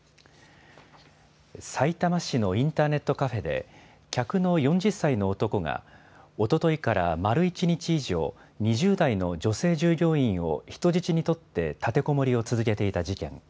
さいたま市のインターネットカフェで、客の４０歳の男が、おとといから丸１日以上、２０代の女性従業員を人質に取って、立てこもりを続けていた事件。